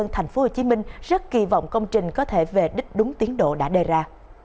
thành phố hồ chí minh rất kỳ vọng công trình có thể về đích đúng tiến độ đã đề ra